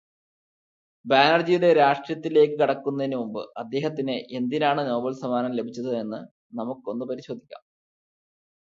ബാനർജിയുടെ രാഷ്ട്രീയത്തിലേക്ക് കടക്കുന്നതിനു മുമ്പ്, അദ്ദേഹത്തിന് എന്തിനാണ് നൊബേൽ സമ്മാനം ലഭിച്ചത് എന്ന് നമുക്കൊന്ന് പരിശോധിക്കാം.